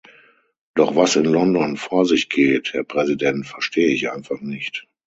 Doch was in London vor sich geht, Herr Präsident, verstehe ich einfach nicht.